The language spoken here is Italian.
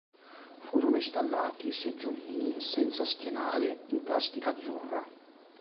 Furono installati seggiolini senza schienale in plastica azzurra.